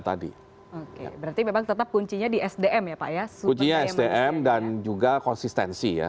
mungkin suatu bantuan di kennedy